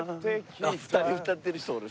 ２人歌ってる人おる。